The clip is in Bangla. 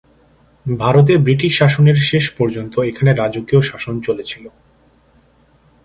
ভারতে ব্রিটিশ শাসনের শেষ পর্যন্ত এখানে রাজকীয় শাসন চলেছিল।